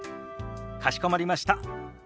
かしこまりました。